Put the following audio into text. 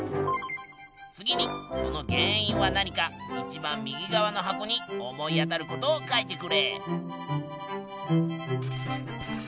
次にその原因は何かいちばん右側の箱に思い当たることを書いてくれ。